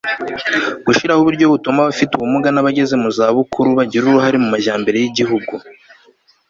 gushyiraho uburyo butuma abafite ubumuga n'abageze mu za bukuru bagira uruhare mu majyambere y'igihugu